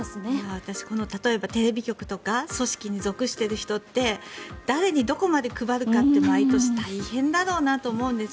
私、例えばテレビ局とか組織に属している人って誰にどこまで配るのかって毎年大変だろうなと思うんです。